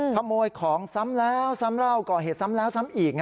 ขโมยของซ้ำแล้วซ้ำเล่าก่อเหตุซ้ำแล้วซ้ำอีก